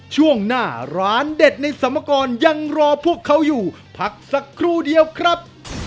ช่วงหน้าร้านเด็ดในสมกรยังรอพวกเขาอยู่พักสักครู่เดียวครับ